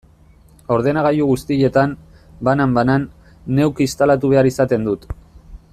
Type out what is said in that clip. Ordenagailu guztietan, banan-banan, neuk instalatu behar izaten dut.